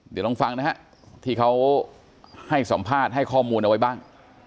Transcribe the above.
เดี๋ยวลองฟังนะฮะที่เขาให้สัมภาษณ์ให้ข้อมูลเอาไว้บ้าง